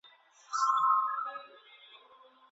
شنه نښه کوم ناروغ ته ورکول کیږي؟